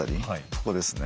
ここですね。